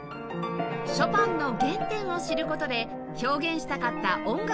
ショパンの原点を知る事で表現したかった音楽がわかります